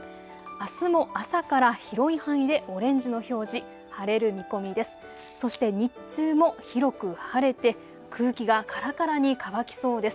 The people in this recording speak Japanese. あすの朝から広い範囲でオレンジの表示、晴れる見込みです。